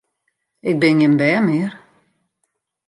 Ik bin gjin bern mear!